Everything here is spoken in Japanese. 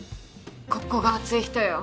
ここが熱い人よ